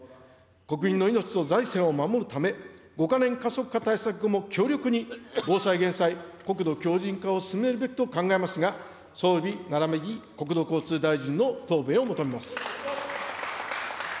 国民の命と財政を守るため、５か年加速化対策後も強力に防災・減災、国土強じん化を進めるべきと考えますが、総理ならびに、国土交通大臣の答弁を求めます。